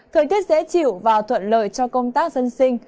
thời tiết dễ chịu và thuận lợi cho công tác dân sinh